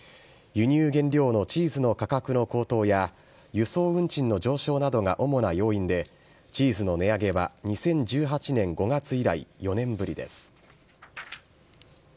輸入原料のチーズの価格の高騰や、輸送運賃の上昇などが主な要因で、チーズの値上げは２０１８年５月以来４年ぶりです。